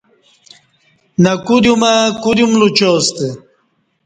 نہ کودیومہ کودیوم لوچیاستہ